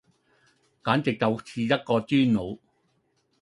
簡直就是一個豬腦